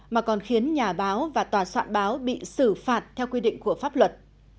mà còn khiến nhà báo và tòa soạn báo bị xử phạt theo quy định của pháp luật